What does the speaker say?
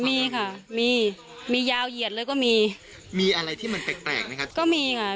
มีค่ะมีมียาวเหยียดเลยก็มีมีอะไรที่มันแปลกแปลกไหมครับก็มีค่ะ